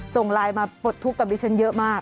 ส่งไลน์มาปลดทุกข์กับดิฉันเยอะมาก